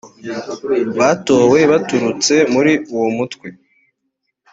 batowe baturutse muri uwo mutwe